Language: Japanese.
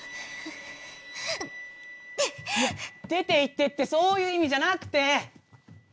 「出ていって」ってそういう意味じゃなくて！